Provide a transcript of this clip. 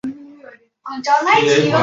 黄毛鼹属等之数种哺乳动物。